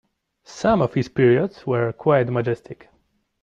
Some of his periods were quite majestic!